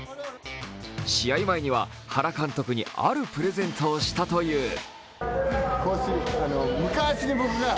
試合前には原監督にあるプレゼントをしたという。